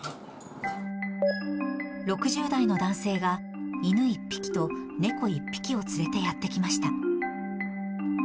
６０代の男性が、犬１匹と猫１匹を連れてやって来ました。